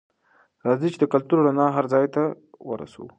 راځئ چې د کلتور رڼا هر ځای ته ورسوو.